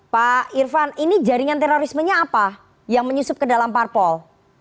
pak irfan ini jaringan terorismenya apa yang menyusup ke dalam parpol